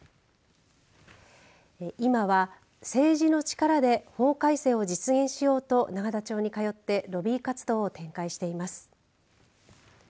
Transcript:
今は、政治の力で法改正を実現しようと永田町に通ってロビー活動を展開しています。